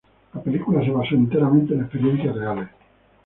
La película se basó enteramente en experiencias reales.